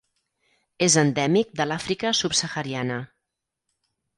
És endèmic de l'Àfrica subsahariana.